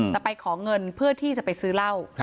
ไปขอเงินเพื่อที่จะไปซื้อเหล้า